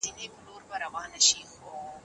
د یخو اوبو کارول د وریښتانو ځلا نه زیاتوي.